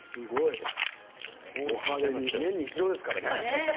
年に一度ですからね。